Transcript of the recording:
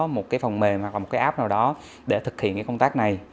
một cái phần mềm hoặc là một cái app nào đó để thực hiện cái công tác này